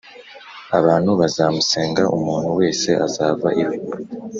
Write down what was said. abantu bazamusenga umuntu wese azava iwe